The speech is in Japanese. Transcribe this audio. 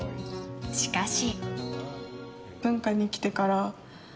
しかし。